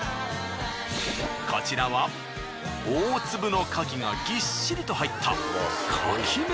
こちらは大粒のカキがぎっしりと入ったカキ飯。